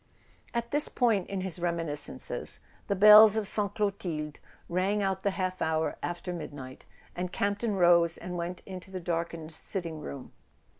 At this point in his reminiscences the bells of Sainte Clotilde rang out the half hour after midnight, and Campton rose and went into the darkened sitting room.